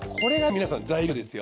皆さん材料ですよ。